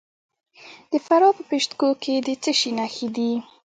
د فراه په پشت کوه کې د څه شي نښې دي؟